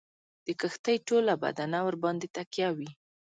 د کښتۍ ټوله بدنه ورباندي تکیه وي.